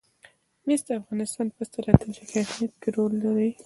مس د افغانستان په ستراتیژیک اهمیت کې رول لري.